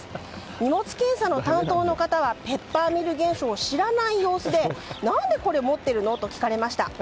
荷物検査の担当の方はペッパーミル現象を知らない様子で何でこれ持ってるの？と聞かれました。